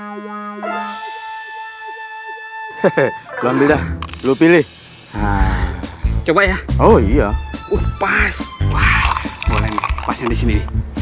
hehehe belum bedah lu pilih coba ya oh iya pas pas yang disini